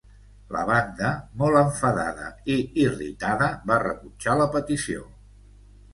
La banda, molt enfadada i irritada, va rebutjar la petició.